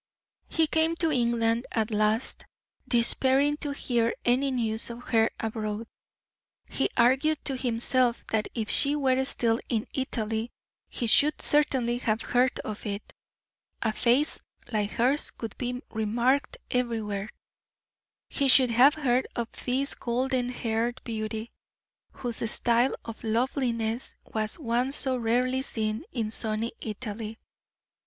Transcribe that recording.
He came to England at last, despairing to hear any news of her abroad. He argued to himself that if she were still in Italy he should certainly have heard of it; a face like hers could be remarked anywhere; he should have heard of this golden haired beauty, whose style of loveliness was one so rarely seen in sunny Italy.